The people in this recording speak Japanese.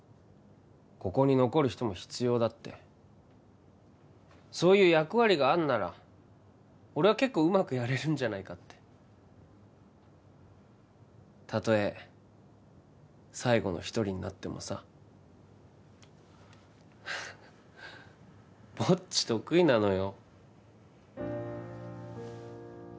ここに残る人も必要だってそういう役割があんなら俺は結構うまくやれるんじゃないかってたとえ最後のひとりになってもさぼっち得意なのよ